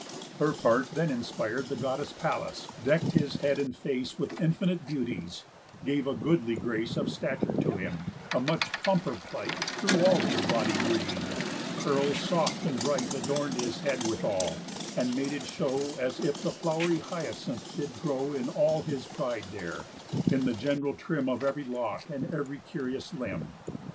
Her part then inspir'd The Goddess Pallas, deck'd his head and face With infinite beauties, gave a goodly grace Of stature to him, a much plumper plight Through all his body breath'd, curls soft and bright Adorn'd his head withal, and made it show As if the flow'ry hyacinth did grow In all his pride there, in the gen'ral trim Of ev'ry lock and ev'ry curious limb.